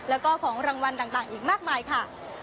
แล้วก็ของรางวัลต่างอีกมากมายค่ะ